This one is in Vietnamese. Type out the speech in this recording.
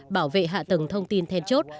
bảo vệ hạ tầng thông tin then chốt